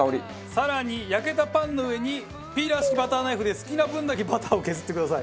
更に焼けたパンの上にピーラー式バターナイフで好きな分だけバターを削ってください。